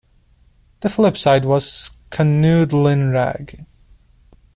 The flip side was Canoodlin' Rag.